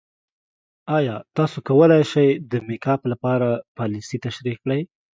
ایا تاسو کولی شئ د میک اپ کار لپاره پالیسۍ تشریح کړئ؟